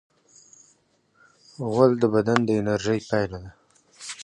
غول د بدن د انرژۍ پایله ده.